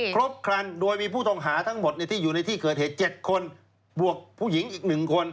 ครบครันโดยมีผู้ต้องหาทั้งหมดที่อยู่ในที่เกิดเหตุ๗คนบวกผู้หญิงอีก๑คน